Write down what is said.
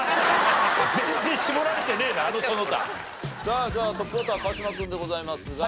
さあじゃあトップバッターは川島君でございますが。